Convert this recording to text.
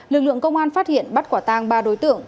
lực lượng công an phát hiện bắt quả tang ba đối tượng